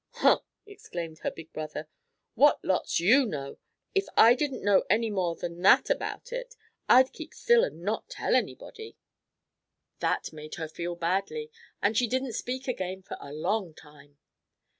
"Huh!" exclaimed her big brother. "What lots you know! If I didn't know any more than that about it, I'd keep still and not tell anybody." That made her feel badly, and she didn't speak again for a long time.